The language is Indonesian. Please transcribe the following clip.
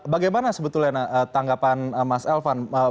bagaimana sebetulnya tanggapan mas elvan